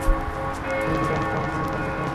উনি খুশি আছেন কারণ তুমি তার কাছে আছে।